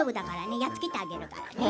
やっつけてあげるからね。